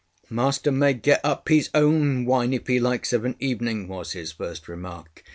ŌĆ£Master may get up his own wine, if he likes, of an evening, ŌĆØ was his first remark.